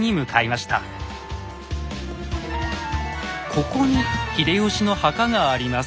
ここに秀吉の墓があります。